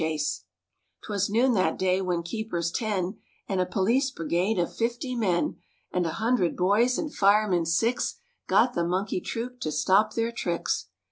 It 32 MORE ABOUT THE ROOSEVELT BEARS 'Twas noon that day when keepers ten And a police brigade of fifty men, And a hundred boys and firemen six Got the monkey troupe to stop their tricks.